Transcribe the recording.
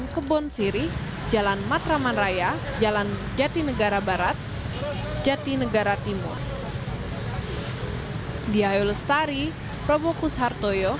jalan kebon siri jalan matraman raya jalan jati negara barat jati negara timur